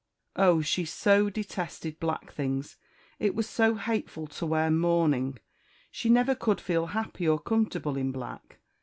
Oh, she so detested black things it was so hateful to wear mourning she never could feel happy or comfortable in black!